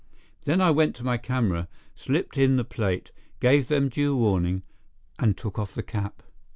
Then I went to my camera, slipped in the plate, gave them due warning and took off the cap.